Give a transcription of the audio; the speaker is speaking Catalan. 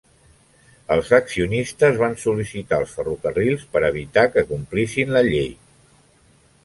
Els accionistes van sol·licitar els ferrocarrils per a evitar que complissin la llei.